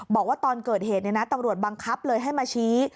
บอกว่าตอนเกิดเหตุตำรวจบังคับเลยให้มาชี้